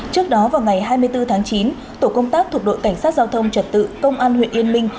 trước đó vào ngày hai mươi bốn tháng chín tổ công tác thuộc đội cảnh sát giao thông trật tự công an huyện yên minh